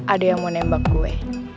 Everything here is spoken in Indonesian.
ada yang mau nembak gue